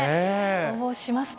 応募しますか？